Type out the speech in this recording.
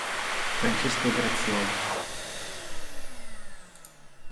Francesco Grazioli